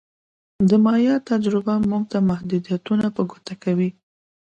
د مایا تجربه موږ ته محدودیتونه په ګوته کوي